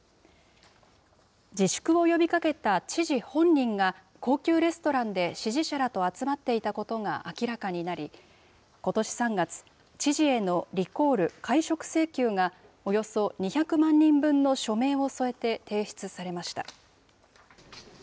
自粛を呼びかけた知事本人が、高級レストランで支持者らと集まっていたことが明らかになり、ことし３月、知事へのリコール・解職請求が、およそ２００万人分の署名を添えて提出されました。